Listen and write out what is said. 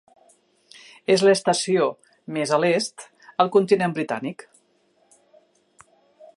És l'estació més a l'est al continent britànic.